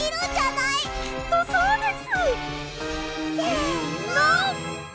きっとそうです！せの！